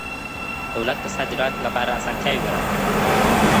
دولت د صادراتو لپاره اسانتیاوې برابروي.